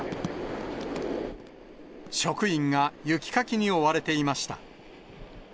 職員が雪かきに追われていました。